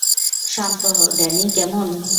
শান্ত হও, ড্যানি, কেমন?